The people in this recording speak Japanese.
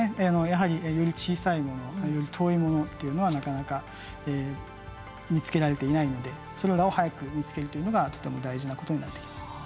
やはりより小さいものより遠いものというのはなかなか見つけられていないのでそれらを早く見つけるというのがとても大事なことになってきます。